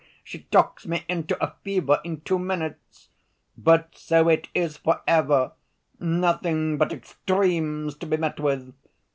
she talks me into a fever in two minutes. But so it is for ever! nothing but extremes to be met with!